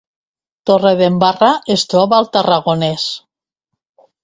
Torredembarra es troba al Tarragonès